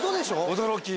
驚き。